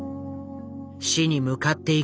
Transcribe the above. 死に向かっていく